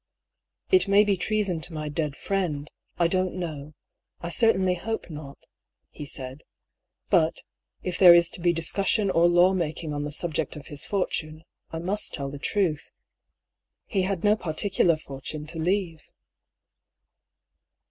" It may be treason to my dead friend ; I don't know ; I certainly hope not," he said, " but, if there is to be discussion or law making on the subject of his fortune, I must tell the truth — he had no particular fortune to leave."